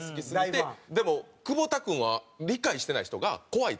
でも久保田君は理解してない人が怖いと。